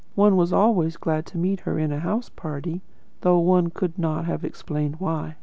One was always glad to meet her in a house party, though one could not have explained why.